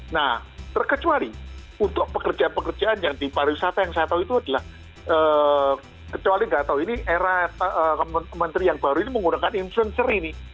nah terkecuali untuk pekerjaan pekerjaan yang di pariwisata yang saya tahu itu adalah kecuali nggak tahu ini era menteri yang baru ini menggunakan influencer ini